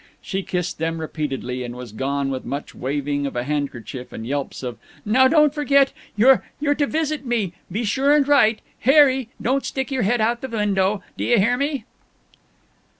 She kissed them repeatedly and was gone with much waving of a handkerchief and yelps of "Now don't forget you're you're to visit me be sure and write Harry, don't stick your head out of the window, d'yuhhearme?"